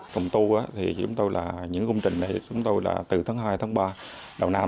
công tu thì chúng tôi là những công trình này chúng tôi là từ tháng hai tháng ba đầu năm